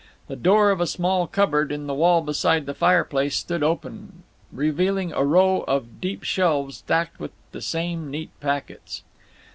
The door of a small cupboard in the wall beside the fireplace stood open, revealing a row of deep shelves stacked with the same neat packets.